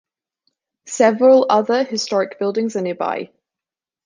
Several other historic buildings are nearby.